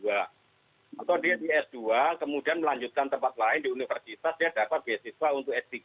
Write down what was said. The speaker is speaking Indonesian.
atau dia di s dua kemudian melanjutkan tempat lain di universitas dia dapat beasiswa untuk s tiga